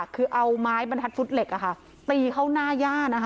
คือเอาไม้บรรทัดฟุตเหล็กตีเข้าหน้าย่านะคะ